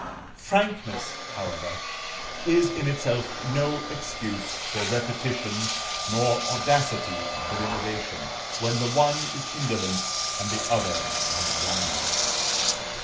Frankness, however, is in itself no excuse for repetition, nor audacity for innovation, when the one is indolent and the other unwise.